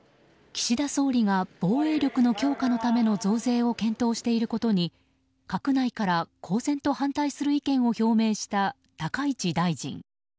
岸田総理が防衛力の強化のための増税を検討していることに閣内から公然と反対する意見を表明した高市大臣。